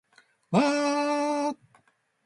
わあーーーーーーーーーー